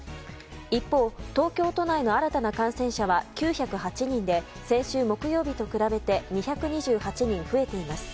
一方、東京都内の新たな感染者は９０８人で先週木曜日と比べて２２８人増えています。